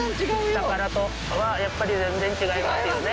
下からとは、やっぱり全然違いますよね。